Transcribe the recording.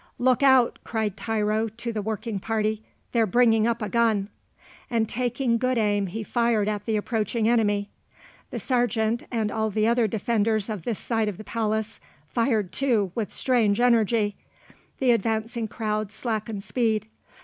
"Look out," cried Tiro to the working party; "they're bringing up a gun;" and taking good aim he fired at the approaching enemy. The Sergeant, and all the other defenders of this side of the palace, fired too with strange energy. The advancing crowd slackened speed.